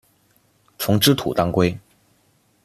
丛枝土当归